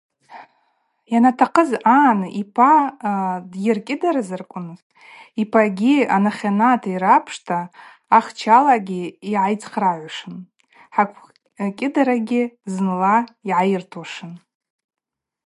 Йанатахъыз агӏан йпа дйыркӏьыдазарквын, йпагьи анахьанат йрапшта, ахчалагьи йгӏайцхърыгӏушын, хаквкӏьыдарагьи зынла йгӏайыртуашын.